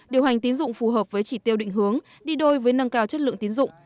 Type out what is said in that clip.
điều hành tín dụng phù hợp với chỉ tiêu định hướng đi đôi với nâng cao chất lượng tín dụng